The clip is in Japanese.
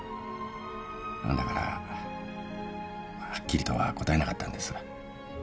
だからはっきりとは答えなかったんです。